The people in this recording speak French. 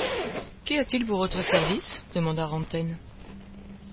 Qu’y a-t-il pour votre service ? demanda Rantaine.